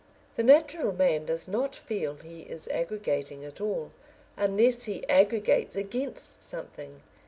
The natural man does not feel he is aggregating at all, unless he aggregates _against something.